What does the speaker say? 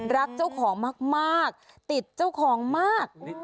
รักเจ้าของมากติดเจ้าของมาก